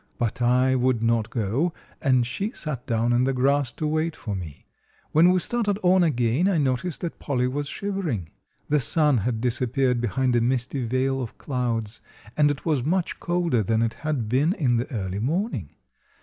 But I would not go, and she sat down in the grass to wait for me. When we started on again I noticed that Polly was shivering. The sun had disappeared behind a misty veil of clouds and it was much colder than it had been in the early morning.